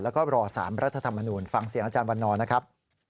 แล้วก็รอ๓รัฐธรรมนูลฟังเสียงอาจารย์วันนอนนะครับ